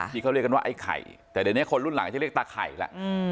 ที่เขาเรียกกันว่าไอ้ไข่แต่เดี๋ยวนี้คนรุ่นหลังก็จะเรียกตาไข่แหละ